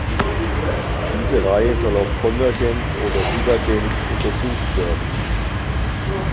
Diese Reihe soll auf Konvergenz oder Divergenz untersucht werden.